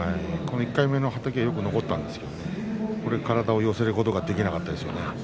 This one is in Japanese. この１回目のはたきはよく残ったんですが体を寄せることができなかったんですね。